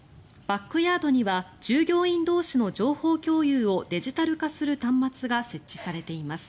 バックヤードには従業員同士の情報共有をデジタル化する端末が設置されています。